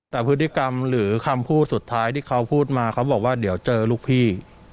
แต่พฤติกรรมหรือคำพูดสุดท้ายที่เขาพูดมาเขาบอกว่าเดี๋ยวเจอลูกพี่